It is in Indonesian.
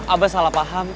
abah salah paham